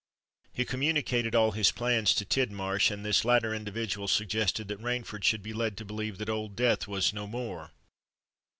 He communicated all his plans to Tidmarsh; and this latter individual suggested that Rainford should be led to believe that Old Death was no more.